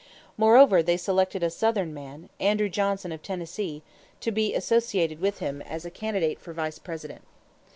Moreover, they selected a Southern man, Andrew Johnson, of Tennessee, to be associated with him as candidate for Vice President.